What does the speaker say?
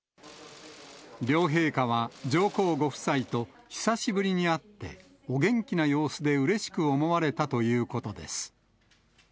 両陛下は、上皇ご夫妻と久しぶりに会って、お元気な様子でうれしく思われたということです。